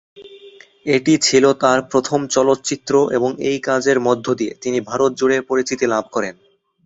এটি ছিল তার প্রথম চলচ্চিত্র এবং এই কাজের মধ্য দিয়ে তিনি ভারত জুড়ে পরিচিতি লাভ করেন।